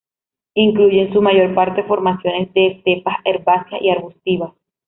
Incluye en su mayor parte formaciones de estepas herbáceas y arbustivas.